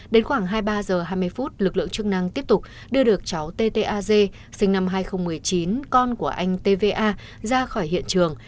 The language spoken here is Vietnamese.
đến khoảng hai mươi ba h hai mươi phút lực lượng chức năng tiếp tục đưa được cháu t t a g sinh năm hai nghìn một mươi chín con của anh t v a ra khỏi hiện trường